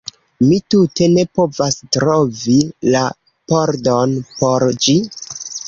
Mi tute ne povas trovi la pordon por ĝi